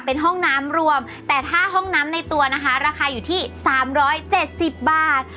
เป็นห้องน้ำรวมแต่ถ้าห้องน้ำในตัวนะคะราคาอยู่ที่สามร้อยเจ็ดสิบบาท